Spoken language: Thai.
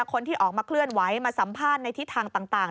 คนที่ออกมาเคลื่อนไหวมาสัมภาษณ์ในทิศทางต่าง